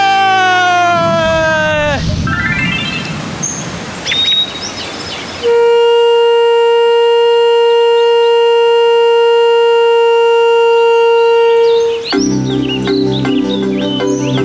โอ้โหไทยแลนด์